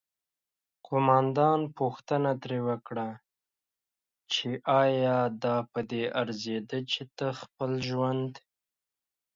قوماندان پوښتنه ترې وکړه چې آیا دا پدې ارزیده چې ته خپل ژوند